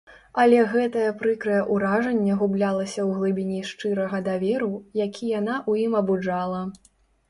Але гэтае прыкрае ўражанне гублялася ў глыбіні шчырага даверу, які яна ў ім абуджала.